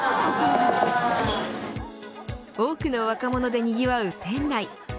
多くの若者でにぎわう店内